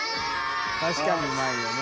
確かにうまいよね。